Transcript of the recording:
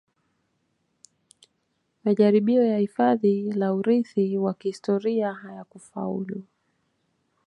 Majaribio ya hifadhi la urithi wa kihistoria hayakufaulu